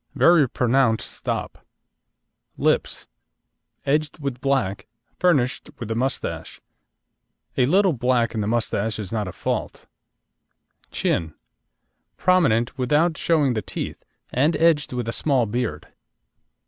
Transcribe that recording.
Very pronounced stop. LIPS Edged with black, furnished with a moustache. A little black in the moustache is not a fault. CHIN Prominent without showing the teeth, and edged with a small beard.